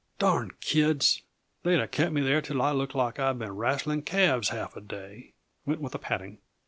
"Darned kids they'd uh kept me there till I looked like I'd been wrassling calves half a day," went with the patting.